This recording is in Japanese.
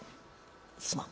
「すまん。